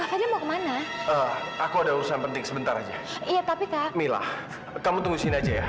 aku ada urusan penting sebentar aja iya tapi tak mila kamu tunggu sini aja ya